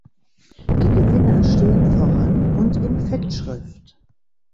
Die Gewinner stehen voran und in Fettschrift.